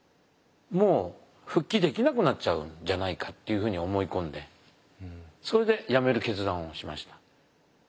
もう復帰できなくなっちゃうんじゃないかっていうふうに思い込んでそれでやめる決断をしました。